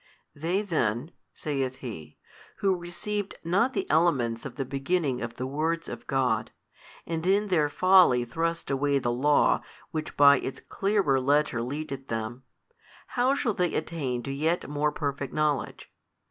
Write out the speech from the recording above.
They then (saith He) who received not the elements of the beginning of the words 4 of God, and in their folly thrust away the Law which by its clearer letter leadeth them, how shall they attain to yet more perfect knowledge?